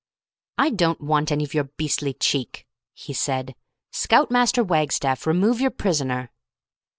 "I don't want any of your beastly cheek," he said. "Scout Master Wagstaff, remove your prisoner."